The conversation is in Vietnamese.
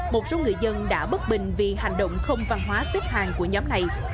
một số người dân đã bất bình vì hành động không văn hóa xếp hàng của nhóm này